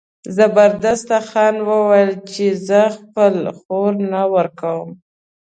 زبردست خان وویل چې زه خپله خور نه ورکوم.